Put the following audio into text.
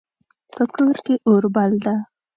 په کور کې اور بل ده